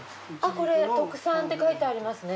これ特産って書いてありますね。